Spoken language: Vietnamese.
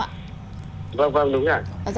vâng vâng đúng ạ